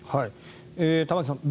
玉城さん